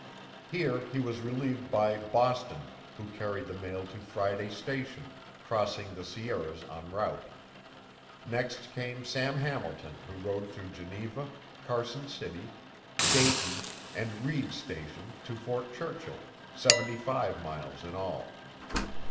Here he was relieved by "Boston," who carried the mail to Friday Station, crossing the Sierras en route. Next came Sam Hamilton who rode through Geneva, Carson City, Dayton, and Reed's Station to Fort Churchill, seventy five miles in all.